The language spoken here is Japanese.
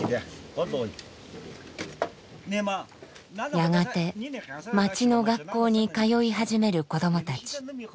やがて町の学校に通い始める子供たち。